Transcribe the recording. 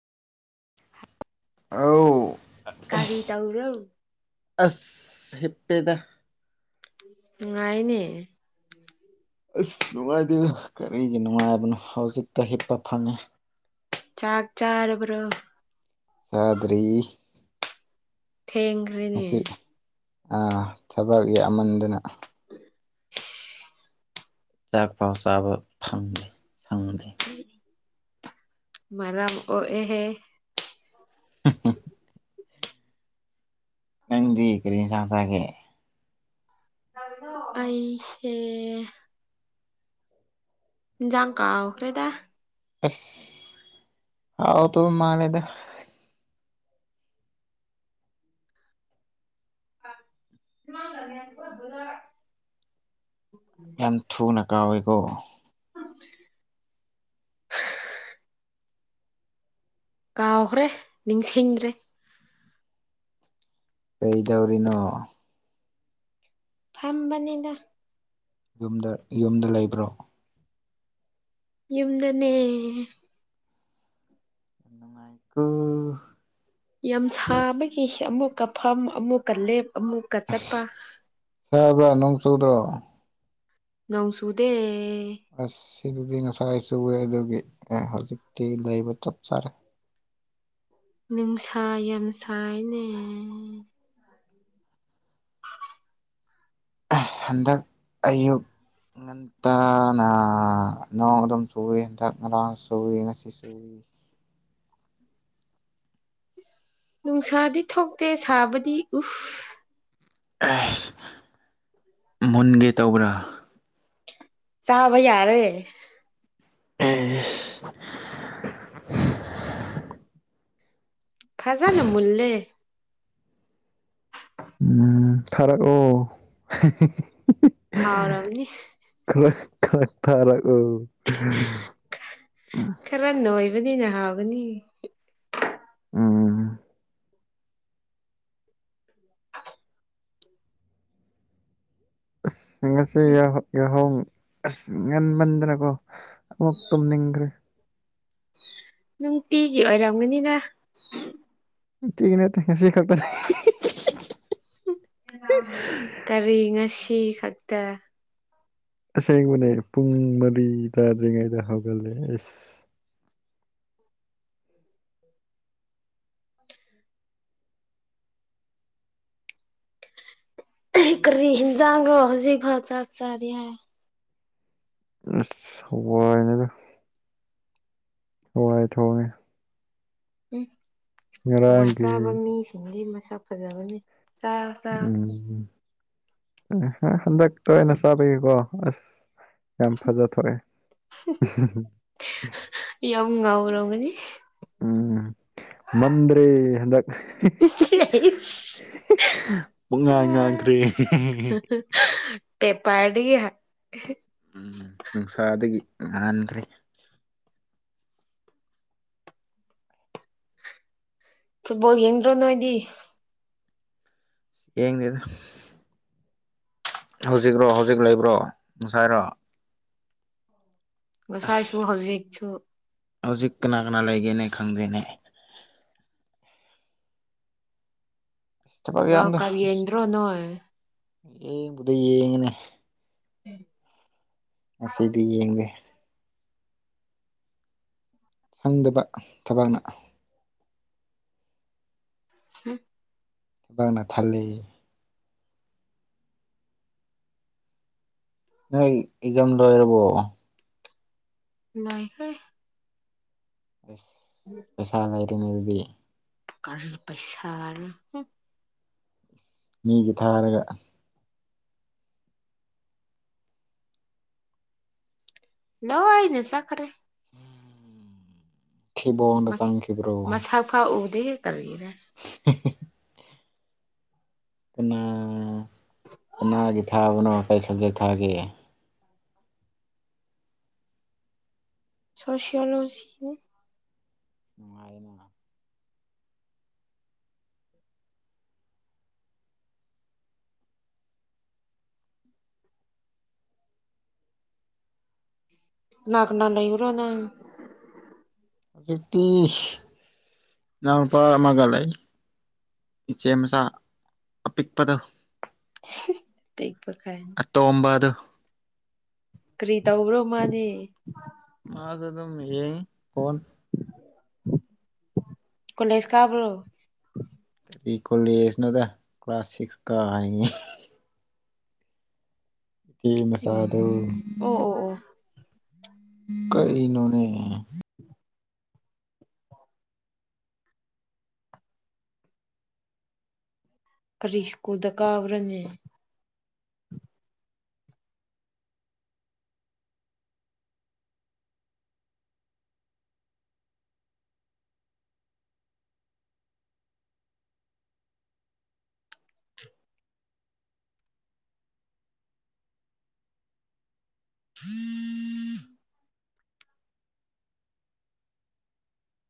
ꯑꯧ ꯀꯔꯤ ꯇꯧꯔꯣ ꯑꯁ ꯍꯤꯞꯄꯦꯗ ꯅꯨꯡꯉꯥꯏꯅꯦ ꯑꯁ ꯅꯨꯡꯉꯥꯏꯇꯦꯗ ꯀꯔꯤꯒꯤ ꯅꯨꯡꯉꯥꯏꯕꯅꯣ ꯍꯧꯖꯤꯛꯇ ꯍꯤꯞꯄ ꯐꯪꯉꯦ ꯆꯥꯛ ꯆꯥꯔꯕ꯭ꯔꯣ ꯆꯥꯗꯔꯤ ꯊꯦꯡ ꯃꯁꯤ ꯑ ꯊꯕꯛ ꯌꯥꯃꯟꯗꯅ ꯆꯥꯛ ꯄꯥꯎ ꯆꯥꯕ ꯐꯪꯗꯦ ꯁꯪꯗꯦ ꯃꯔꯝ ꯑꯣꯛ ꯑꯦꯍꯦ [unintelligible] ꯅꯪꯗꯤ ꯀꯔꯤ ꯏꯟꯖꯥꯡ ꯆꯒꯦ ꯑꯩꯁꯦ ꯏꯟꯖꯥꯡ ꯀꯥꯎꯈ꯭ꯔꯦꯗ ꯑꯁ ꯍꯥꯎ ꯇ ꯃꯥꯟꯂꯦꯗ [unintelligible] ꯌꯥꯝ ꯊꯨꯅ ꯀꯥꯎꯌꯦꯀꯣ [unintelligible] ꯀꯥꯎꯈ꯭ꯔꯦ ꯅꯤꯡꯁꯤꯡꯈꯗ꯭ꯔꯦ ꯀꯩꯗꯧꯔꯤꯅꯣ ꯐꯝꯕꯅꯤꯗ ꯌꯨꯝꯗ ꯌꯨꯝꯗ ꯂꯩꯕ꯭ꯔꯣ ꯌꯨꯝꯗꯅꯦ ꯀ ꯌꯥꯝ ꯁꯥꯕꯒꯤ ꯑꯃꯨꯛꯀ ꯐꯝ ꯑꯃꯨꯛꯀ ꯂꯦꯞ ꯑꯃꯨꯛꯀ ꯆꯠꯄ ꯁꯕꯔ ꯅꯣꯡ ꯆꯨꯗ꯭ꯔꯣ ꯅꯣꯡ ꯆꯨꯗꯦ ꯑꯁ ꯁꯤꯗꯨꯗꯤ ꯉꯁꯥꯏ ꯆꯨꯑꯦ ꯑꯗꯨꯗꯤ ꯑ ꯍꯧꯖꯤꯛꯇꯤ ꯂꯩꯕ ꯆꯞ ꯆꯥꯔꯦ ꯅꯨꯡꯁꯥ ꯌꯥꯝ ꯁꯥꯏꯅꯦ ꯑꯁ ꯍꯟꯗꯛ ꯑꯌꯨꯛ ꯉꯟꯇꯥꯅ ꯅꯣꯡ ꯑꯗꯨꯝ ꯁꯨꯏ ꯍꯟꯗꯛ ꯉꯔꯥꯡ ꯁꯨꯏ ꯉꯁꯤ ꯁꯨꯏ ꯅꯨꯡꯁꯥꯗꯤ ꯊꯣꯛꯇꯦ ꯁꯥꯕꯗꯤ ꯎꯐ ꯑꯦꯁ ꯃꯨꯟꯒꯦ ꯇꯧꯕ꯭ꯔꯥ ꯆꯥꯕ ꯌꯥꯔꯦ [inaudible] ꯐꯖꯅ ꯃꯨꯟꯂꯦ ꯎꯝ ꯊꯥꯔꯛꯑꯣ [unintelligible] ꯍꯥꯎꯔꯥꯥꯝꯅꯤ [unintelligible] ꯊꯥꯔꯛꯑꯣ ꯈꯔ ꯅꯣꯏꯕꯅꯤꯅ ꯍꯥꯎꯒꯅꯤ ꯎꯝ ꯑꯁ ꯉꯁꯤ ꯌꯥꯍꯧ ꯌꯍꯧ ꯑꯁ ꯉꯟꯃꯟꯗꯅꯀꯣ ꯑꯃꯨꯛ ꯇꯨꯝꯅꯤꯡꯈ꯭ꯔꯦ ꯅꯨꯡꯇꯤꯒꯤ ꯑꯣꯏꯔꯝꯒꯅꯤꯗ ꯅꯨꯡꯇꯤꯒꯤ ꯅꯠꯇꯦ ꯉꯥꯁꯤ ꯈꯛꯇꯅꯤ [unintelligible] ꯀꯔꯤ ꯉꯁꯤ ꯈꯛꯇ ꯑꯁꯦꯡꯕꯅꯦ ꯄꯨꯡ ꯃꯔꯤ ꯇꯥꯗ꯭ꯔꯤꯉꯩꯗ ꯍꯧꯒꯠꯂꯦ ꯑꯁ ꯀꯔꯤ ꯍꯤꯟꯖꯥꯡꯔꯣ ꯍꯧꯖꯤꯛ ꯐꯥꯎ ꯆꯥꯛ ꯆꯥꯔꯤ ꯍꯥꯏ ꯑꯁ ꯍꯋꯥꯏꯅꯤꯗ ꯍꯋꯥꯏ ꯊꯣꯡꯉꯦ ꯎꯝ ꯍꯋꯥꯢ ꯆꯥꯕ ꯉꯔꯥꯡꯒꯤ ꯃꯤꯁꯤꯡꯗꯤ ꯃꯁꯛ ꯐꯖꯕꯅꯦ ꯎꯝ ꯍꯟꯗꯛꯇ ꯇꯣꯏꯅ ꯆꯥꯕꯒꯤꯀꯣ ꯑꯁ ꯌꯥꯝ ꯐꯖꯊꯣꯔꯛꯑꯦ [unintelligible] ꯌꯥꯝ ꯉꯧꯔꯝꯒꯅꯤ ꯎꯝ ꯃꯝꯗ꯭ꯔꯦ ꯍꯟꯗꯛ [unintelligible] [inaudible] ꯄꯨꯟꯉꯥꯡ ꯉꯥꯡꯈ꯭ꯔꯦ [unintelligible] ꯄꯦꯄꯥꯔꯗꯒꯤ ꯍꯒ ꯎꯝ ꯅꯨꯡꯁꯥꯗꯒꯤ ꯉꯥꯡꯍꯟꯗ꯭ꯔꯦ ꯐꯨꯠꯕꯣꯜ ꯌꯦꯡꯗ꯭ꯔꯣ ꯅꯣꯏꯗꯤ ꯌꯦꯡꯗꯦꯗ ꯍꯧꯖꯤꯛꯔꯣ ꯍꯧꯖꯤꯛ ꯂꯩꯕ꯭ꯔꯣ ꯉꯁꯥꯏꯔꯣ ꯉꯁꯥꯏꯁꯨ ꯍꯧꯖꯤꯛꯁꯨ ꯍꯧꯖꯤꯛ ꯀꯅꯥ ꯀꯅꯥ ꯂꯩꯒꯦꯅꯦ ꯈꯪꯗꯦꯅꯦ ꯊꯕꯛ ꯋꯥꯔꯜ ꯌꯝꯃꯤꯗ ꯀꯞ ꯑꯁ ꯌꯦꯡꯗ꯭ꯔꯣ ꯅꯣꯏ ꯌꯦꯡꯕꯨꯗꯤ ꯌꯦꯡꯉꯤꯅꯦ [inaudible] ꯉꯁꯤꯗꯤ ꯌꯦꯡꯗꯦ ꯁꯪꯗꯕ ꯊꯕꯛꯅ [inaudible] ꯊꯕꯥꯛꯅ ꯊꯜꯂꯦ ꯅꯣꯢ ꯑꯦꯛꯖꯥꯝ ꯂꯣꯏꯔꯕꯣ ꯂꯣꯏꯈ꯭ꯔꯦ [inaudible] [inaudible] ꯄꯩꯁꯥ ꯂꯩꯔꯤꯉꯩꯗꯗꯤ ꯀꯥꯔꯤ ꯄꯩꯁꯥꯅꯣ ꯃꯤꯒꯤ ꯊꯥꯔꯒ ꯂꯣꯏꯅꯦ ꯆꯠꯈ꯭ꯔꯦ ꯊꯤꯕꯣꯡꯗ ꯃꯁ ꯆꯪꯈꯤꯕ꯭ꯔꯣ ꯃꯁꯥꯐꯥꯎ ꯎꯗꯦꯍꯦ ꯀꯔꯤꯔ [unintelligible] ꯀꯅꯥ ꯀꯅꯥꯒꯤ ꯊꯥꯕꯅꯣ ꯀꯔꯤ ꯁꯕꯖꯦꯛ ꯊꯥꯒꯦ ꯁꯣꯁꯤꯌꯣꯂꯣꯖꯤꯅꯦ ꯅꯨꯡꯉꯥꯏꯔꯦꯅ ꯀꯅꯥ ꯀꯅꯥ ꯂꯩꯌꯨꯔ ꯅꯪ ꯍꯧꯖꯤꯛꯇ ꯏꯅꯥꯎꯄꯥ ꯑꯃꯒꯥ ꯂꯩ ꯏꯆꯦ ꯃꯆꯥ ꯑꯄꯤꯛꯄꯗꯣ ꯄꯤꯛꯄ ꯀꯥꯏ ꯑꯇꯣꯝꯕꯗꯣ ꯀꯔꯤ ꯇꯧꯕ꯭ꯔꯣ ꯃꯥꯗꯤ ꯃꯥꯗꯤ ꯑꯗꯨꯝ ꯌꯦꯉꯤ ꯐꯣꯟ ꯀꯣꯂꯦꯁ ꯀꯥꯕ꯭ꯔꯣ ꯀꯔꯤ ꯀꯣꯂꯦꯖꯅꯣꯗ ꯀ꯭ꯂꯥꯁ ꯁꯤꯛꯁ ꯀꯥꯏꯅꯤ ꯏꯆꯦ ꯃꯆꯥꯗꯨ ꯎꯝ ꯑꯣ ꯑꯣ ꯑꯣ ꯀꯔꯤꯅꯣꯅꯦ [inaudible] ꯀꯔꯤ ꯁ꯭ꯀꯨꯜꯗ ꯀꯥꯕ꯭ꯔꯅꯦ [unintelligible]